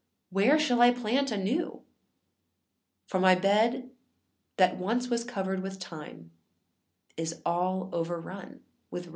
where shall I plant anewâ For my bed, that once was covered with thyme, is all overrun with rue?